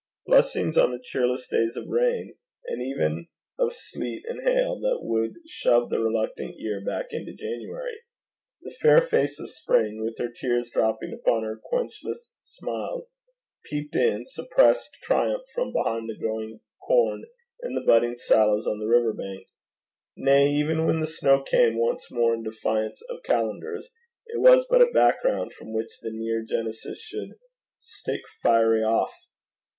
Blessings on the cheerless days of rain, and even of sleet and hail, that would shove the reluctant year back into January. The fair face of Spring, with her tears dropping upon her quenchless smiles, peeped in suppressed triumph from behind the growing corn and the budding sallows on the river bank. Nay, even when the snow came once more in defiance of calendars, it was but a background from which the near genesis should 'stick fiery off.'